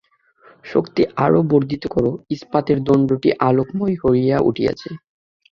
শক্তি আরও বর্ধিত কর, ইস্পাতের দণ্ডটি আলোকময় হইয়া উঠিয়াছে।